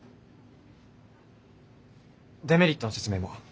デメリットの説明も。